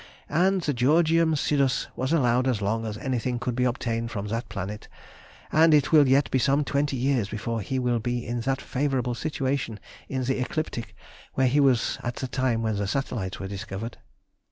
And the Georgium Sidus was followed as long as anything could be obtained from that planet, and it will yet be some twenty years before he will be in that favourable situation in the ecliptic where he was at the time when the satellites were discovered.